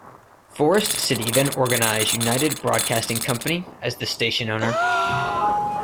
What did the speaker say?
Forest City then organized United Broadcasting Company as the station owner.